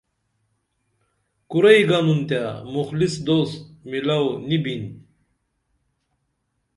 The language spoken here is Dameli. کُرئی گنُن تے مخلص دوست مِلو نی بِن